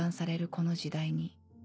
この時代に